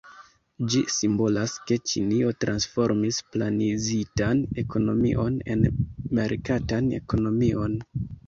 Ĝi simbolas ke Ĉinio transformis planizitan ekonomion en merkatan ekonomion.